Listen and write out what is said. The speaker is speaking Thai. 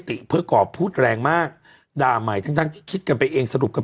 ติเพื่อกรอบพูดแรงมากด่าใหม่ทั้งทั้งที่คิดกันไปเองสรุปกัน